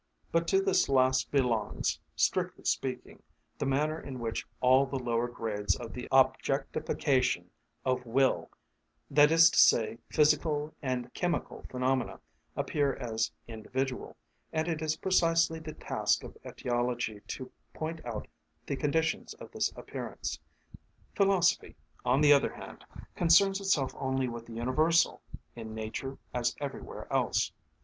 But to this last belongs, strictly speaking, the manner in which all the lower grades of the objectification of will, that is to say, physical and chemical phenomena, appear as individual, and it is precisely the task of etiology to point out the conditions of this appearance. Philosophy, on the other hand, concerns itself only with the universal, in nature as everywhere else.